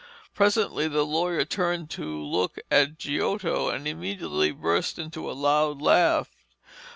Presently the lawyer turned to look at Giotto, and immediately burst into a loud laugh.